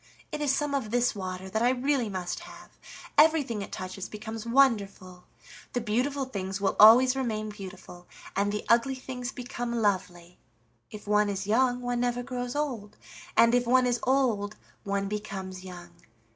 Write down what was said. It is some of this water that I really must have: everything it touches becomes wonderful. The beautiful things will always remain beautiful, and the ugly things become lovely. If one is young one never grows old, and if one is old one becomes young.